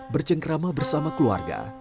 bercengkrama bersama keluarga